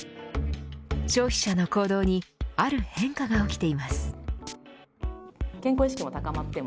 消費者の行動にある変化が起きています。